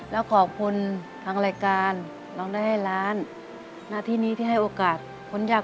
สาธุครับพระอาทิตย์ขอบคุณครับสาธุครับพระอาทิตย์ขอบคุณครับ